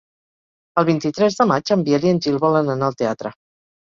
El vint-i-tres de maig en Biel i en Gil volen anar al teatre.